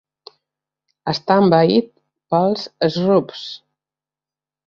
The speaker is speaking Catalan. Està envaït pels Shroobs.